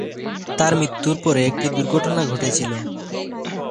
তার মৃত্যুর পরে একটি দুর্ঘটনা ঘটেছিল।